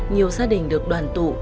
nhiều gia đình được đoàn tụ